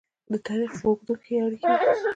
د تاریخ په اوږدو کې اړیکې وې.